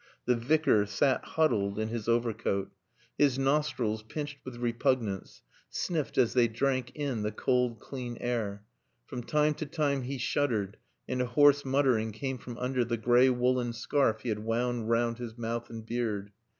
The Vicar sat huddled in his overcoat. His nostrils, pinched with repugnance, sniffed as they drank in the cold, clean air. From time to time he shuddered, and a hoarse muttering came from under the gray woolen scarf he had wound round his mouth and beard.